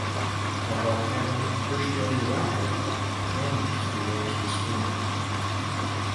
A volcanic Tertiary rock outcrop plunges towards the spring.